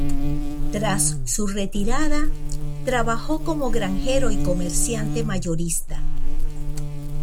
Tras su retirada trabajó como granjero y comerciante mayorista.